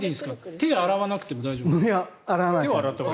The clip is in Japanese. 手を洗わなくても大丈夫ですか。